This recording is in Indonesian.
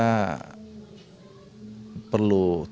kita perlu terus melakukan perubahan